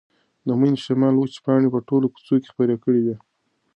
د مني شمال وچې پاڼې په ټوله کوڅه کې خپرې کړې وې.